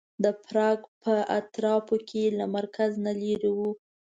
د پراګ په اطرافو کې له مرکز نه لرې و.